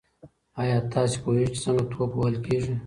ایا تاسي پوهېږئ چې څنګه توپ وهل کیږي؟